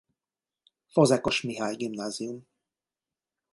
Fazekas Mihály Gimnázium